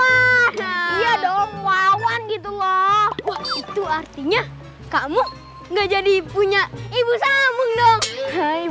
ya ya ya dong wawan gitu loh itu artinya kamu nggak jadi punya ibu sambung dong hai